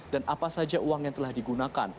dan apa saja uang yang telah digunakan